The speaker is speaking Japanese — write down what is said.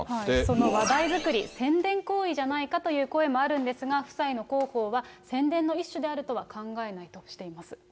その話題作り、宣伝行為じゃないか？という声もあるんですが、夫妻の広報は、宣伝の一種であるとは考えないとしています。